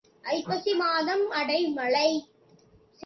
ஐப்பசி மாதம் அடை மழை.